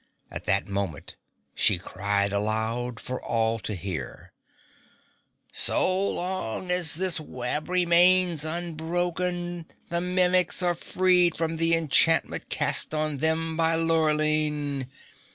At that moment she cried aloud for all to hear: "So long as this web remains unbroken, the Mimics are freed from the enchantment cast on them by Lurline!